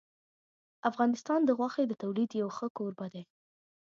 افغانستان د غوښې د تولید یو ښه کوربه دی.